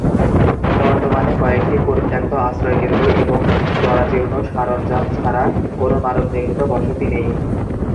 বর্তমানে কয়েকটি পরিত্যক্ত আশ্রয়কেন্দ্র এবং জরাজীর্ণ সরঞ্জাম ছাড়া কোন মানব নির্মিত বসতি নেই।